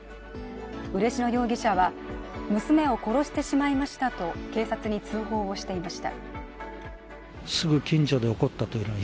嬉野容疑者は娘を殺してしまいましたと警察に通報をしていました。